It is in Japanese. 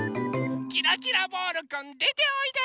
キラキラボールくんでておいで！